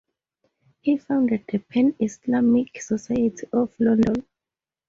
He founded the Pan Islamic Society of London.